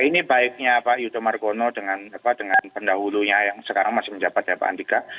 ini baiknya pak yudho margono dengan pendahulunya yang sekarang masih menjabat ya pak andika